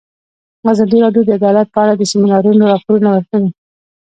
ازادي راډیو د عدالت په اړه د سیمینارونو راپورونه ورکړي.